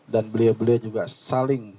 dan beliau beliau juga saling